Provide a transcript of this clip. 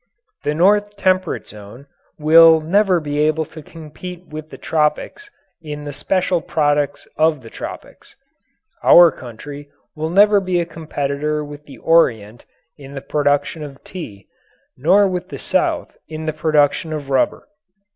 The North Temperate Zone will never be able to compete with the tropics in the special products of the tropics. Our country will never be a competitor with the Orient in the production of tea, nor with the South in the production of rubber.